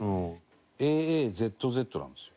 ＡＡＺＺなんですよ。